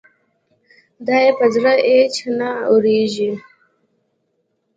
دا يې په زړه اېڅ نه اوارېږي.